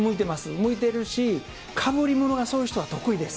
向いてるし、かぶりものが、そういう人は得意です。